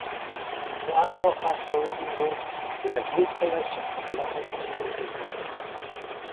It also has a reading room with a good collection of local historic records.